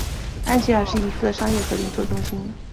安吉尔是一个商业和零售中心。